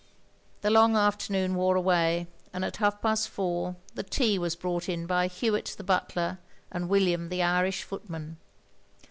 The long afternoon wore away, and at half past four the tea was brought in by Hewitt the butler, and William the Irish footman.